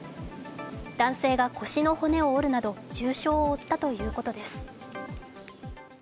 男性が腰の骨を折るなど、重傷を負ったということです。